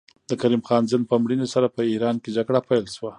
د کریم خان زند په مړینې سره په ایران کې جګړه پیل شوه.